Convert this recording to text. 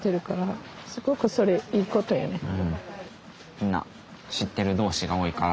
みんな知ってる同士が多いから。